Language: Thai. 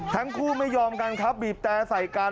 ทั้งคู่ไม่ยอมกันครับบีบแต่ใส่กัน